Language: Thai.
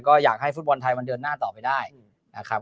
ก็อยากให้ฟุตบอลไทยมันเดินหน้าต่อไปได้นะครับ